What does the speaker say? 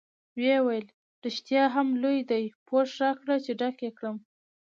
ویې ویل: رښتیا هم لوی دی، پوښ راکړه چې ډک یې کړم.